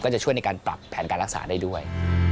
จะช่วยในการปรับแผนการรักษาได้ด้วย